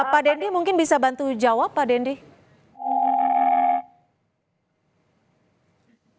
pak dendy mungkin bisa bantu jawab pak dendi